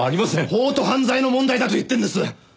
法と犯罪の問題だと言ってるんです！